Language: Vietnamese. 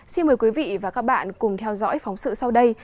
xin mời quý vị và các bạn cùng theo dõi phóng sự sau đây